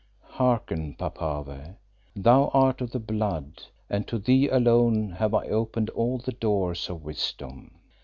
"Hearken, Papave. Thou art of the blood, and to thee alone have I opened all the doors of wisdom.